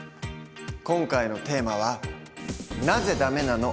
今回のテーマは「なぜダメなの？